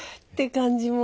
って感じ